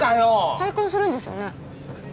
再婚するんですよね